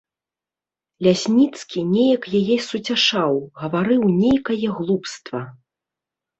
Лясніцкі неяк яе суцяшаў, гаварыў нейкае глупства.